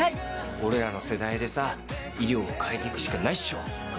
俺らの世代でさ、医療を変えていくしかないっしょ！